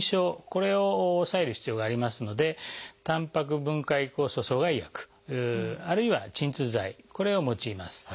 これを抑える必要がありますのでたんぱく分解酵素阻害薬あるいは鎮痛剤これを用います。